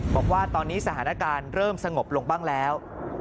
บอกว่าตอนนี้สถานการณ์เริ่มสงบลงบ้างแล้ว